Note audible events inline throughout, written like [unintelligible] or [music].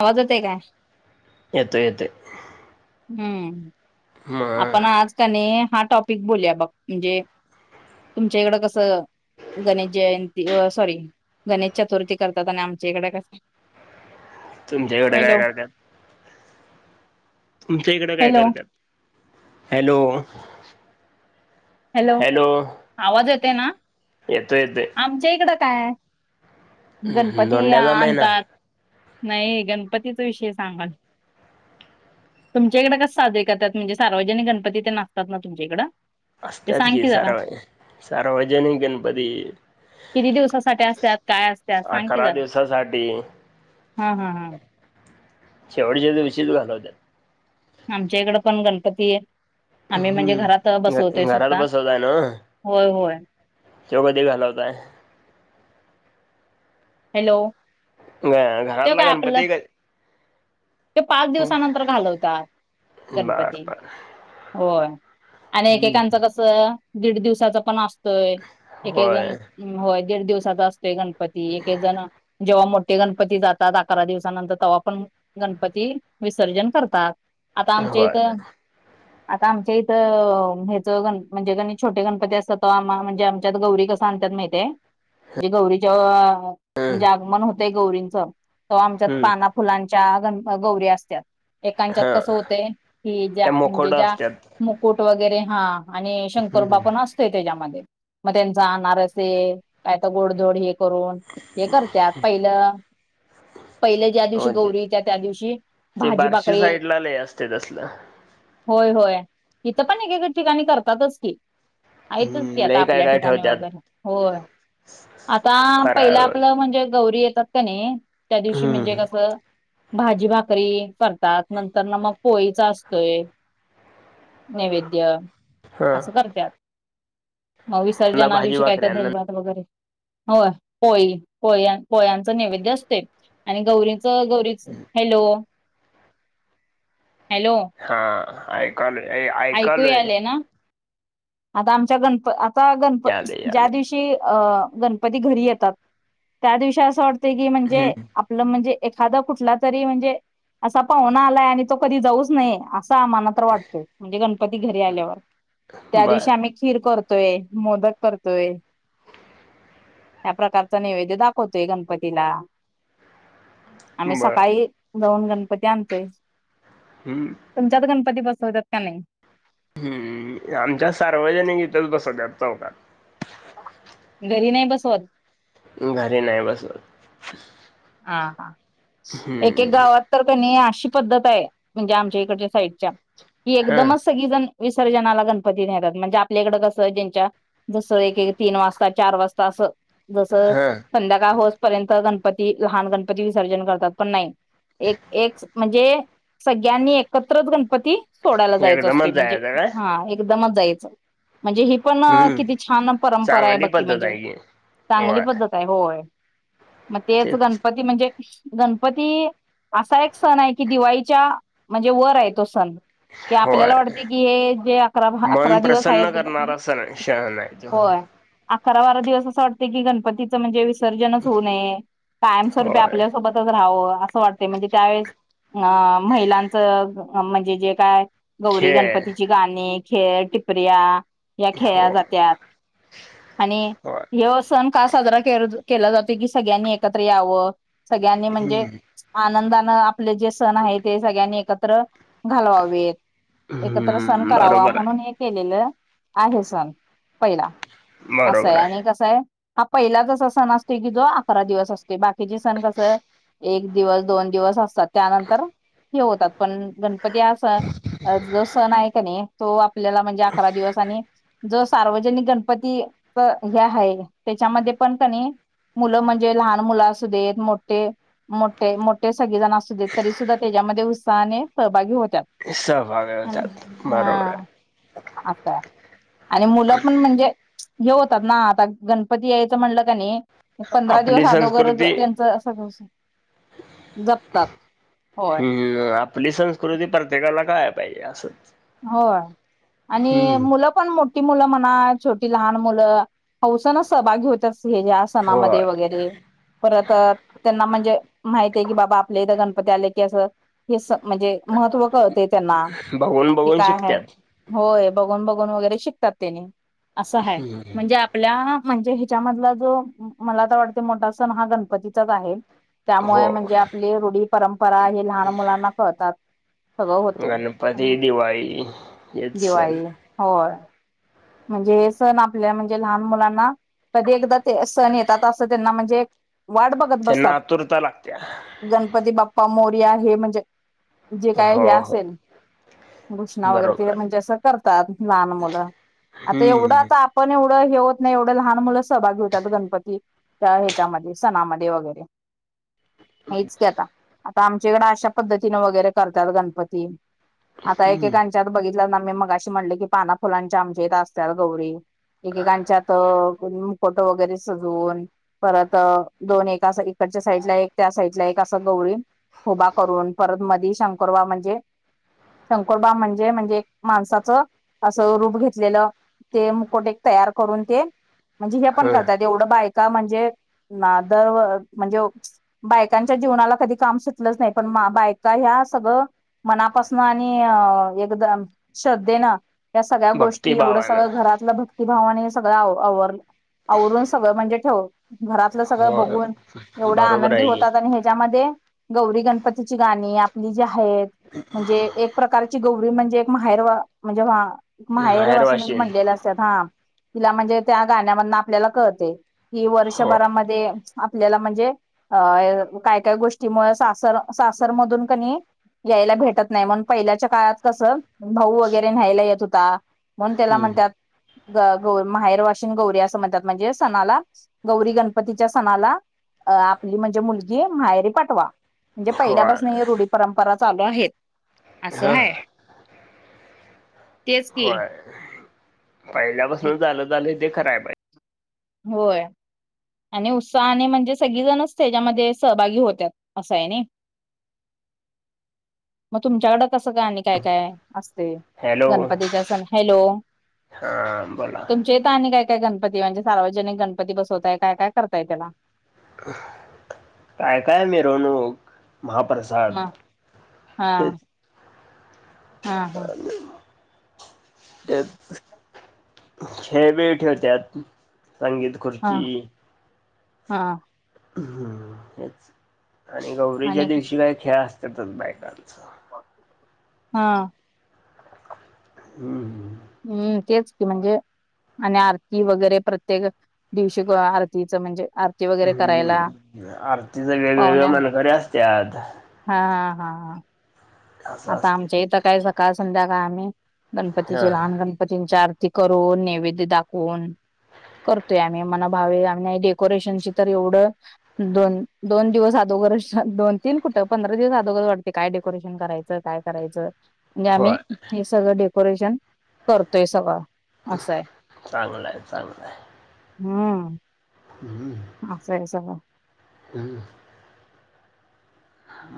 आवाज येतोय काय? येतोय येतोय हम्म आपण मग आज का नी हा टॉपिक बोलूया बघ म्हणजे तुमच्या इकड कसं गणेश जयंती सॉरी गणेश चतुर्थी करतात आणि आमच्या इकडे कस तुमच्या इकडं काय करत्यात? तुमच्या इकडं काय हॅलो करत्यात? हॅलो हॅलो आवाज येत ते ना येतोय येतोय. आमच्या इकडं काय गणपती दोंड्याचा महिना आणतात. नाही गणपतीचा विषय सांगाल तुमच्याकडे कस साजरी करतात म्हणजे सार्वजनिक गणपती तेन असतात ना तुमच्याइकडं. असत्यात कि सारव सार्वजनिक गणपती किती दिवसासाठी असत्यात काय असत्यात सांग की अकरा जरा दिवसासाठी. हा हा हा शेवटच्या दिवशीच घालवत्यात. आमच्या इकड पण गणपती आम्ही म्हणजे हम्म. घरात घ बसवतोय घरात स्वतः होय होय त्यो कधी घालवताय? हॅलो बरं घरातला गणपती क त्यो पाच दिवसानंतर घालवतात बर गणपती. बर होय आणि एकेकांचं कसं? दीड दिवसाचा पण अस तोय. एक एक होय जण होय, दीड दिवसाचा असतोय गणपती. एक एक जण जेव्हा मोठ ते गणपती जातात अकरा दिवसानंतर तवा पण गणपती विसर्जन करतात. आता आमच्या इत. होय आता आमच्या इथं, हेचं गण म्हणजे गणी छोटे गणपती असतात तवा आम म्हणजे आमच्यात गौरी कसं आणत्यात माहितीय? म्हणजे गौरीच्या हम्म म्हणजे आगमन होत् ते गौरींचं तो आमच्यात हम्म पाना फुलां च्या गण गौरी असत्यात. एकांच्यात हा कसं होतयं की ज्या त्या म्हणजे मुखवटा ज्या असतात मुकुट वगैरे हां. आणि शंकरोबा हम्म पण असतोय त्याच्यामध्ये मग त्यांचा आनारसे, काय तर गोड-धोड हे. करून हे करत्यात. पहिलं, पहिल ज्या हो दिवशी. गौरी येत्या त्या दिवशी ते भाजी बार्शी भाकरी साईडला लई असतयं तसलं. होय-होय इथं पण एक-एक ठिकाणी करतातचं की. आहेतच की, हम्म आता लय काय आपल्या काय ठिकाणी ठेवत्यात वगैरे, होय, आता पहिलं फराळ आपलं म्हणजे, गौरी. येतात कनी. त्या दिवशी, म्हणजे हम्म कसं. भाजी भाकरी करतात. नंतरन मग पोळीचा असतोय 'नैवेद्य' हा असं करत्यात. म ना विसर्जना भाजी दिवशी, काय भाकरी तर अन्न दही-भात वगैरे. होय. पोळी, पोळ्या पोळ्यांचा नैवेद्य असतोय आणि गौरींच. हॅलो. हॅलो. आयकालोय. ए ऐकू आयकालोय. यायलय ना आता आमच्या गणप आ. आता गणपती, यालय ज्या यालय दिवशी. अ गणपती घरी येतात, त्या दिवशी असं वाटतं. म्हणजे हम्म आपलं म्हणजे. एखादा कुठला तरी म्हणजे, असा पाहुणा आलाय आणि तो कधी जाऊच नाहीय. अस. अस आम्हाला तर वाटतय. म्हणजे गणपती घरी आल्यावर त्या दिवशी बर आम्ही खीर करतो. मोदक, करतोय. त्या प्रकारचा नैवेद्य दाखवतोय गणपतीला. आम्ही बर सकाळी. जाऊन गणपती आणतोय. हम्म तुमच्याात गणपती. गणपती बसवतात. का नाहीं. हम्म, आमच्या सार्वजनिक इथच बसवतात. चौकात. घरी नाही बसवत. घरी नाही बसवत. हा, हा. एक-एक हम्म गावात तर कणी. अशी पद्धत आहे, म्हणजे आमच्या इकडच्या साईडच्या. हा एकदमचं सगळी जण. विसर्जनाला गणपती नेतात, म्हणजे आपल्याकडं कसं ज्यांच्या जसं एक-एक तीन वाजता, चार वाजता, असं. जसं हा संध्याकाळ होस. पर्यंत गणपती. लहान गणपती विसर्जन करतात, पण नाही एक म्हणजे सगळ्यांनी एकत्रच गणपती. गणपती सोडायला जायचं एकदमच असतोय म्हणजे. जायचं काय एकदमच जायचं. म्हणजे ही पण हम्म किती छान परंपरा आहे चांगली बाकी पद्धत म्हणजे, आहे की चांगली होय पद्धत आहे होय. तेच गणपती म्हणजे. गणपती असा एक सण आहे की दिवाळीच्या म्हणजे वर आहे तो सण. होय आपल्याला वाटते की हे जे मन अकरा-अकरा दिवस प्रसन्न आहेत. करणारा सण शण आहे तो होय. अकरा-बारा दिवस असं वाटते की गणपतीचं म्हणजे. वी. विसर्जनच होऊ नये. कायमस्वरूपी होय आपल्यासोबतच राहावं असं वाटत म्हणजे त्यावेेळेस अ, महिलांचं. म्हणजे जे काय. गौरी खेळ गणपतीची गाणी. खेळ टिपऱ्या. या खेळल्या हो जात्यात, आणि हो ह्यो सण का साजरा केला. केला जातोय की सगळ्यांनी एक एकत्र यावं. सगळ्यांनी म्हणजे आनंदात आपले जे सण आहे ते सगळ्यांनी एकत्र घालवावेत एकत्र सण हम्म करावा बरोबर आहे म्हणून हे केलेलं आहे सण पहिला. असंय आणि कसं आहे. हा पहिलाच असा सण असतोय की जो अकरा दिवस असतो. बाकीचे सण कस एक दिवस, दोन दिवस असतात. त्यानंतर हे होतात. पण गणपती हा सण जो सण आहे कनी तो आपल्याला म्हणजे अकरा दिवस आणि ज सार्वजनिक गणपती हे आहे त्याच्यामध्ये पण कनी मुलं म्हणजे लहान मुल असुदे मोठे मोठे मोठे सगळेजण असू देत तरी सुद्धा त्याच्यामध्ये उत्साहाने सहभागी होत सहभाग होत्यात बरोबर असा आणि मुलं पण म्हणजे हे होतात ना आता गणपती यायचं म्हणलं का नाही पंधरा दिवस आपली अदोगरज संस्कृती त्यांच असं दिवस जपतात होय. हम्म आपली संस्कृती प्रत्येकाला काय पाहीजे असंच हो आणि हम्म मुलं पण मोठ मोठी मुल म्हणा छोटी लहान मुलं हौसन सहभागी होत्यात. हे हे या सणामध्ये होय वगैरे परत त्यांना म्हणजे माहितय की बाबा आपल्या इथ ग ते आलं की असं हे अस म्हणजे महत्त्व कळतय त्यांना बघून की बघून काय हाय शिकत्यात होय बघून बघून घून वगैरे शिकतात त्यांनी असं हाय म्हणजे आपल्या म्हणजे ह्याच्यामधला जो मला तर वाटते मोठा सण हा गणपतीचाच आहे. हो त्यामुळे म्हणजे आपली रुढी परं परा हे लहान मुलांना कळतात सगळ होते. बाई यच [inaudible] दिवाळी होय म्हणजे सण आपल्या म्हणजे लहान मुलांना कधी एकदा ते सण येतात अस त्यांना म्हणजे, वाट बघत त्यांना बसतात आतुरता लागत्या गणपती बाप्पा मोर म्हणजे जे काय हे हो हो असेल घुष्णा वगैरे बरोबर ते आहे म्हणजे असं करतात लहान मुलं. आता एवढ हम्म आता आपण एव एवढं हे होत नाही, एवढं लहान मुलं सहभागी होतात, गणपती त्या ह्याच्यामध्ये सणामध्ये वगैरे. हेच की आता. आमच्या इकडें अशा पद्धतीने वगैरे करतात गणपती. आता हम्म एकेकांच्यात बघित. काना मी मगाशी म्हटले की पाना फुलांच्या आम आमच्यात असत्याला गौरी. एकेकांच्यात अ. फोटो वगैरे सजवून परत दोन एक अस इकडच्या साईडला एक, त्या साईडला एक, अस गौरी उभा करून. परत मधी शंकरोबा म्हणजे, शंकुरोबा म्हणजे, म्हणजे एक माणसाच असं. रूप घेत लेल तेमुकट एक तयार करून ते. म्हणजे हे पण हं करतात एवढं बाय बायका म्हणजे दर म्हणजे, बायकांच्या जीवनाला कधी काम सुटलंच नाही, पण बायका ह्या सगळं मनापासन आणि एकदम श्रद्धेनं. या सगळ्या गोष्टी. एवढं भक्तिभावानं सगळं घरातलं बग. भक्ती भावाने सगळं आवर आवरून सगळं म्हणजे ठेव. घरातलं सगळं हो बघून एवढ्या बरोबर आनंदी आहे की होतात, आणि ह्याच्यामध्ये गौरी गणपतीची गाणी. जे आहेत म्हणजे एक प्रकारची गौरी म्हणजे. माहेरवा म्हणजे. माहेर. माहेरवाशीन म्हणलेले असतात हा. तिला म्हणजे, त्या गाण्यामधून आपल्याला कळतय. की हो वर्षभरामध्ये. आपल्याला म्हणजे अ काय-काय गोष्टीमुळे सासर सासरमधून कनी. यायला भेटत नाही मग पहिल्याच्या काळात कसं भाऊ वगैरे न्हायला येत होता म्हणून त्याला हम्म म्हणत्यात ग गौ माहेर वाशिन गौरी असं म्हणतात म्हणजे सणाला गौरी गणपतीच्या सणाला अ आपली म्हणजे मुलगी माहेरी पाठवा. म्हणजे होय पहिल्यापासनं ही रुढी परंपरा चालू आहेत. असं ह आहे. तेच की एक- पहिल्यापासूनच चालत आलंय ते खरं आहे बाई. होय आणि उत्साहाने म्हणजे सगळीजणच त्याच्यामध्ये सहभागी होत्यात असं हाय नी, मग तुमच्याकड कसं कायआणि काय काय? असतयं हॅलो गणपतीच्या सण. हॅलो. हा बोला तुमच्या इथ आणि काय काय गण पती मध्ये सार्वजनिक गणपती बसवताय काय काय करताय त्याला? काय काय मिरवणूक. महाप्रसाद हा हा हेच. हा हा आलो. तेचं - - खेळबीळ ठेवत्यात. संगीत हा खुर्ची. हा. हम्म हेच. आणि गौरीच्या आणि दिवशी काय खेळा त्यातच बायकांचं. हं. हम्म ह. हम्म तेच कि म्हणजे आणि आरती वगैरे प्रत्येक दिवशी आरतीचं म्हणजे आरती वगैरे करायला हम्म. आरतीच वेगवेगळ्या पाहुण्या मनकरी असत्यात. हा हा हा हा. असं आता असते आमच्या इथं काय जन काल संध्याकाळ आम्ही हा गणपतीचे लहान गणपती चार ते करून नैवेद्य दाखवून करतोय आम्ही मणा भावे आम्ही डेकोरेशनची तर एवढं दोन दोन दिवस अदोगर दोन तीन कुठं पंधरा दिवस अदोगर वाटत काय डेकोरेशन करायच. आता काय करायचं. म्हणजे आम्ही होय हे सगळं डेको कोरेशन करतोय सगळ. चांगलंय. चांगलंय. हम्म. हम्म असंय सगळं हम्.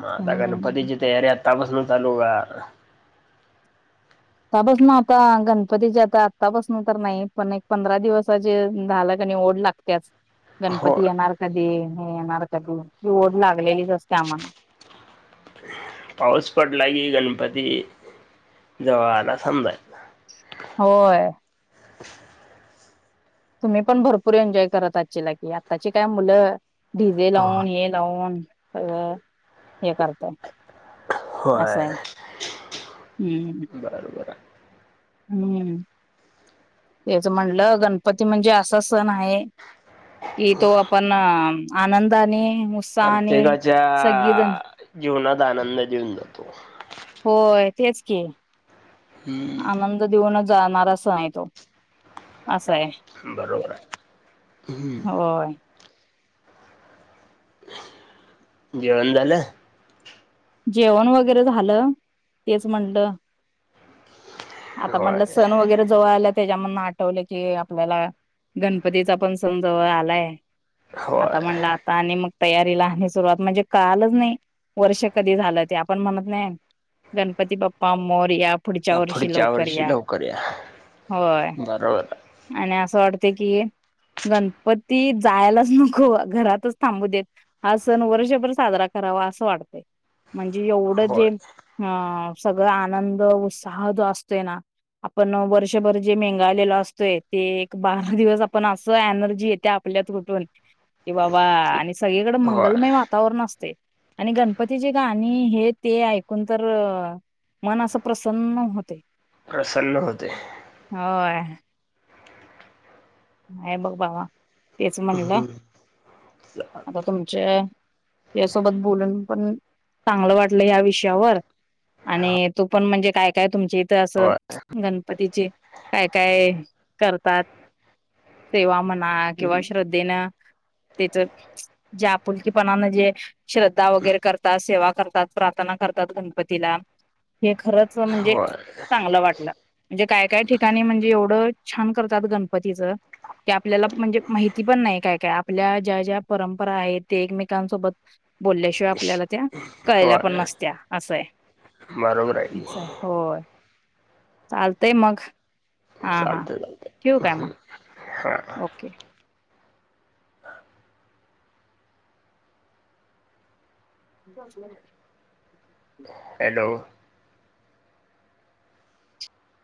म आता हम्म गणपतीची तयारी आता- - तापसन चालू करा आता - - आता पसन आता गणपतीज आता आत्ता पसन तर नाही पण एक पंधरा दिवसाचे झालं आणि ओढ लागत्याचं. हो गणपती येणार कधी? ह येणार कधी? ती ओढ लाग - - पाऊस पडला की गण - - पती जवळ आला समजायचं होय. [inaudible] तुम्ही पण भरपूर एन्जॉय करत असचिला की आत्ताची काय मुलं डी जे हो लावून हे लावून [unintelligible] हे करताय असं आहे होय, हम्म. बरोबर आहे. हम्म, तेच म्हटलं गणपती म्हणजे असा सण आहे कि तो आपण आनंदाने. उत्साहाने प्रत्येकाच्या सगळीजण जीवनात. आनंद देऊन जातो. होय, तेच की. हम्म, आनंद देऊनच. जाणार सन आहे तो, असं आहे. बरोबर आहे, हम्म. होय जेवण झालं? जेवण वगैरे झालं. तेच म्हणलं, आता म्हणलं होय सण वगैरे जवळ आल्या त्याच्यामूळ आठवलं की आपल्याला गणपतीचा पण सण जवळ आलाय, होय आता म्हणलं आता आणि मग तयारीला आणि सुरुवात म्हणजे कळालच नाही वर्ष. कधी झालं ते आपण म्हणत नाही, गणपतीप्पा मोर्या पुढच्या आता वर्षी पुढच्या लवकर वर्षी या, लवकर या होय बरोबर आहे. आणि असं वाटतं. कि गणपती जायलाच नको घरातच थांबू देत, हा सण वर्षभर साजरा करावा असं वाटतय. म्हणजे एवढं जे होय अ सगळं आनंद उत्साह जो असतोय ना, आपण वर्षभर जे मेंगाळलेल असतोय, ते एक बारा दिवस आपण असं एनर्जी येते, आपल्यात कुठून कि बाबा आणि एक- सगळीकडे होय मंगलमय वातावरण असतय. आणि गणपती. तिची गाणी हे, ते, ऐकून तर मन असं प्रसन्न होते. प्रसन्न होतय. होय हे बघ बाबा, तेच म्हणलं, हम्म. चा आता तुमच्या तुझ्यासोबत बोलून पण चांगलं वाटलं, ह्या विषयावर आणि तू पण म्हणजे काय-काय तुमच्या इथं असं होय गणपतीचे काय-काय करतात. सेवा म्हणा किंवा हम्म. श्रद्धेनं, त्याच ज्या आपुलकीपणानं जे श्रद्धा वगैरे करतात, सेवा करतात, प्रार्थना करतात, गणपतीला हे खरच म्हणजे होय चांगलं वाटलं, म्हणजे काय-काय ठिकाणी म्हणजे एवढं छान करतात गणपतिला. गणपतीच ते आपल्याला म्हणजे माहिती पण नाही काय-काय आपल्या ज्या-ज्या परंपरा आहेत, त्या एकमेकांसोबत बोलल्याशिवाय आपल्याला त्या कळल्या पण होय नसत्या, असं हाय. बरोबर की. चालतंय मग हा, हा. चालतंय चालतंय ठेवू. ठेवू काय मग. हां ओके. [unintelligible] हॅलो